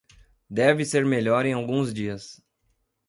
Deve ser melhor em alguns dias.